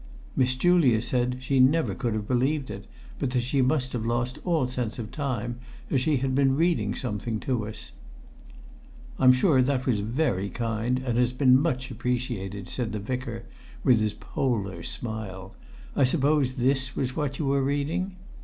Miss Julia said she never could have believed it, but that she must have lost all sense of time, as she had been reading something to us. "I'm sure that was very kind, and has been much appreciated," said the Vicar, with his polar smile. "I suppose this was what you were reading?"